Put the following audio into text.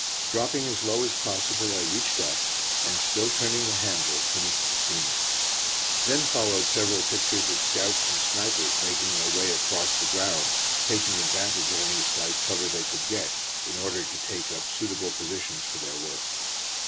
Dropping as low as possible, I reached up, and still turning the handle finished the scene. Then followed several pictures of scouts and snipers making their way across the ground, taking advantage of any slight cover they could get, in order to take up suitable positions for their work.